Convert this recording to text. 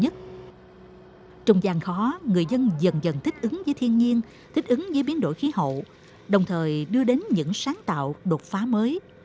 trong gian khó người dân dần dần thích ứng với thiên nhiên thích ứng với biến đổi khí hậu đồng thời đưa đến những sáng tạo đột phá mới